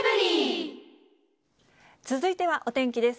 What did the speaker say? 続いてはお天気です。